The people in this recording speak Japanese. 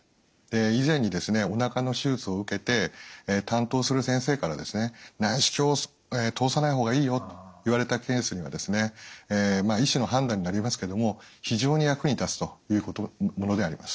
以前におなかの手術を受けて担当する先生から内視鏡を通さない方がいいよと言われたケースには医師の判断になりますけども非常に役に立つというものであります。